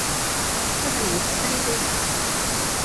என்பதைச் சிந்தனை செய்து எழுது.